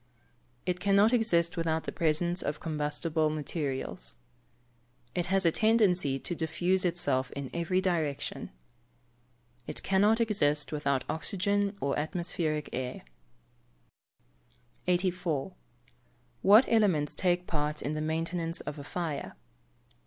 It cannot exist without the presence of combustible materials. It has a tendency to diffuse itself in every direction. It cannot exist without oxygen or atmospheric air. 84. _What elements take part in the maintenance of a fire?